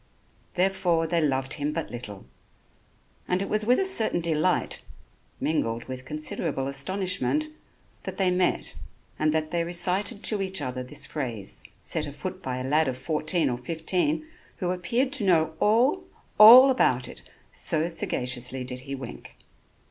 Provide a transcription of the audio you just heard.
Therefore, they loved him but little; and it was with a certain delight, mingled with considerable astonishment, that they met and that they recited to each other this phrase, set afoot by a lad of fourteen or fifteen who appeared to know all, all about it, so sagaciously did he wink.